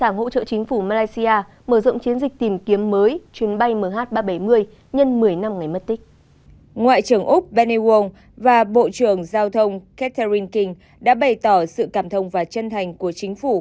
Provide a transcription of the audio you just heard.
ngoại trưởng úc benny won và bộ trưởng giao thông catherin king đã bày tỏ sự cảm thông và chân thành của chính phủ